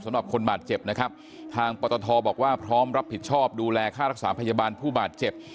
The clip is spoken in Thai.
สำหรับคนบาดเจ็บนะครับทางปตทบอกว่าพร้อมรับผิดชอบดูแลค่ารักษาพยาบาลผู้บาดเจ็บ